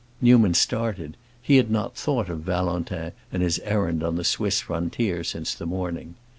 Newman started; he had not thought of Valentin and his errand on the Swiss frontier since the morning.